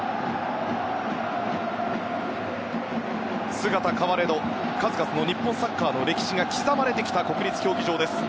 姿変われど数々の日本サッカーの歴史が刻まれてきた国立競技場です。